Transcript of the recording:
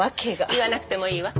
言わなくてもいいわ。